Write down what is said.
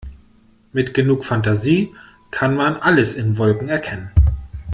Mit genug Fantasie kann man alles in Wolken erkennen.